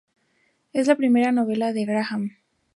Es la primera novela de Graham.